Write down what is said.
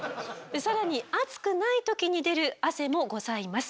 更に熱くない時に出る汗もございます。